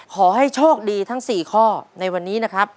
ขอให้โชคดีทั้ง๔ข้อในวันนี้นะครับ